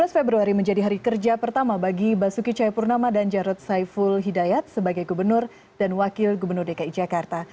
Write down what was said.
dua belas februari menjadi hari kerja pertama bagi basuki cahayapurnama dan jarod saiful hidayat sebagai gubernur dan wakil gubernur dki jakarta